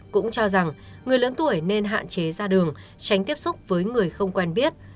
cũng cho rằng người lớn tuổi nên hạn chế ra đường tránh tiếp xúc với người không quen biết